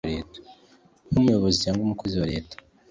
nk umuyobozi cyangwa umukozi wa leta